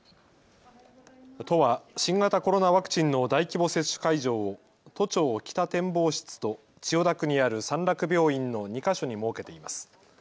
都は新型コロナワクチンの大規模接種会場を都庁北展望室と千代田区にある三楽病院の２か所に設けています。